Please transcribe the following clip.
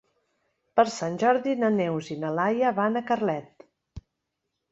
Per Sant Jordi na Neus i na Laia van a Carlet.